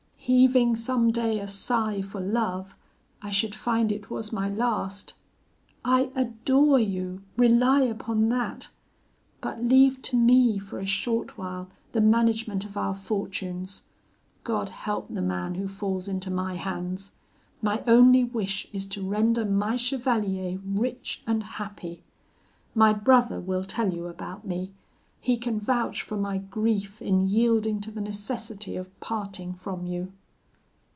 Heaving some day a sigh for love, I should find it was my last. I adore you, rely upon that; but leave to me, for a short while, the management of our fortunes. God help the man who falls into my hands. My only wish is to render my chevalier rich and happy. My brother will tell you about me; he can vouch for my grief in yielding to the necessity of parting from you.